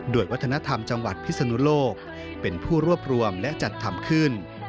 โดยวัฒนธรรมจังหวัดพิศนุโลกเป็นผู้รวบรวมและจัดทำขึ้น